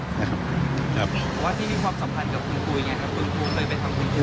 วัดที่มีความสัมพันธ์กับคุณครูอย่างไรครับคุณครูเคยไปทำบุญ